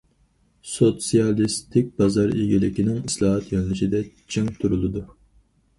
سوتسىيالىستىك بازار ئىگىلىكىنىڭ ئىسلاھات يۆنىلىشىدە چىڭ تۇرۇلىدۇ.